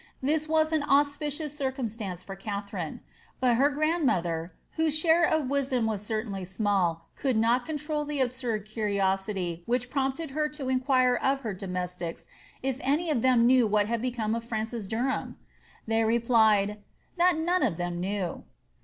This was an auspicious circumstance for Katharine ; but her grandmother, whose share of wisdom was certainly small, could not control the absurd curi osity which prompted her to inquire of her domestics if any of them knew what had become of Francis Derham ? They replied, ^^ that none of them knew."